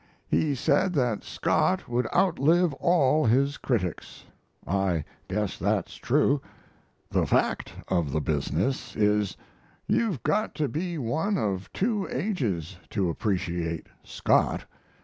He said that Scott would outlive all his critics. I guess that's true. That fact of the business is you've got to be one of two ages to appreciate Scott.